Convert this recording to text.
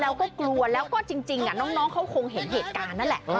เราก็กลัวแล้วก็จริงน้องเขาคงเห็นเหตุการณ์นั่นแหละ